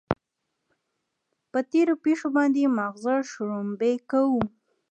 پر تېرو پېښو باندې ماغزه شړومبې کوو.